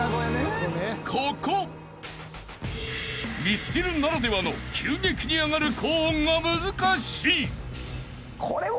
［ミスチルならではの急激に上がる高音が難しい］